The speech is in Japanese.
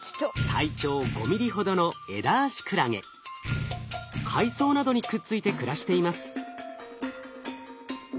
体長５ミリほどの海藻などにくっついて暮らしています。